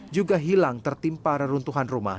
juga hilang tertimpa reruntuhan rumah